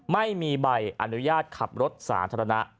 ไม่มีใบอนุญาตขับรถสาธารณะ